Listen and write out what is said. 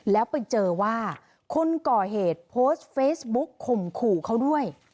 แล้วไปเจอว่าคนก่อเหตุโพสต์เฟซบุ๊กข่มขู่เขาด้วย